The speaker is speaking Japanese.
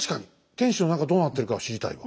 天主の中どうなってるかは知りたいわ。